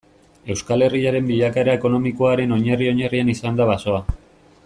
Euskal Herriaren bilakaera ekonomikoaren oinarri-oinarrian izan da basoa.